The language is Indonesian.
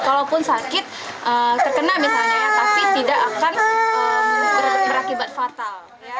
kalaupun sakit terkena misalnya ya tapi tidak akan berakibat fatal